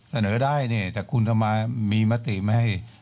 เสนอได้เนี่ยแต่คุณทำไมมีมติไม่ให้